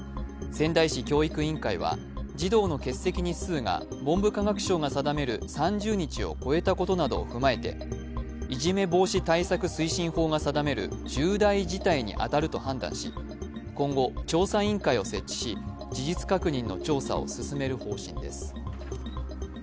仙台市教育委員会は、児童の欠席日数が文部科学省が定める３０日を超えたことなどを踏まえていじめ防止対策推進法が定める重大事態に当たると判断し、今後、調査委員会を設置し、事実確認の調査を進める方針です